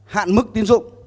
hạn mức tiến dụng